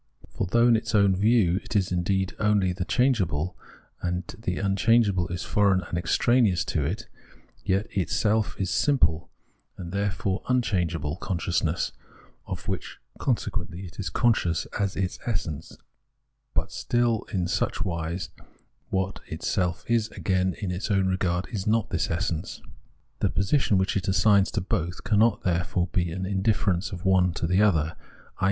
For though in its own view it is indeed only the change able, and the unchangeable is foreign and extraneous to it, yet itself is simple, and therefore unchangeable consciousness, of which consequently it is conscious as its essence, but still in such wise that itself is again in its own regard not this essence. The position, which it assigns to both, cannot, therefore, be an indifference of one to the other, i.